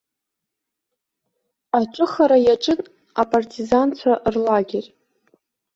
Аҿыхара иаҿын апартизанцәа рлагер.